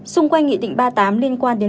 xung quanh nghị định ba mươi tám liên quan đến